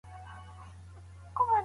روښانه فکر انرژي نه کموي.